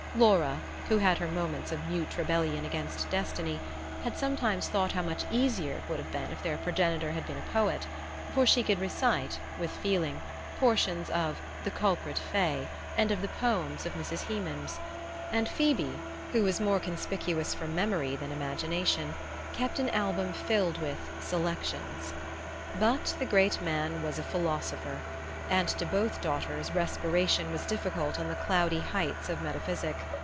Laura, who had her moments of mute rebellion against destiny, had sometimes thought how much easier it would have been if their progenitor had been a poet; for she could recite, with feeling, portions of The Culprit Fay and of the poems of Mrs. Hemans; and Phoebe, who was more conspicuous for memory than imagination, kept an album filled with "selections." But the great man was a philosopher; and to both daughters respiration was difficult on the cloudy heights of metaphysic.